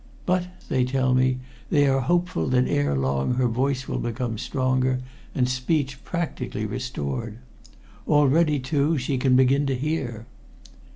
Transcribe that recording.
But they tell me they are hopeful that ere long her voice will become stronger, and speech practically restored. Already, too, she can begin to hear.